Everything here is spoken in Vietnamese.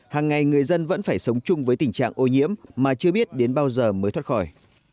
hàng ngày người dân vẫn phải sống chung với tình trạng ô nhiễm mà chưa biết đến bao giờ mới thoát khỏi